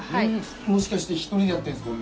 もしかして１人でやってるんですか？